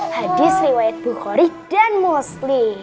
hadis riwayat bukhori dan mosli